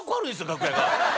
楽屋が。